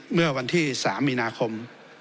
เมื่อวันที่๓มีนาคม